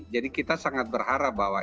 jadi kita sangat berharap bahwa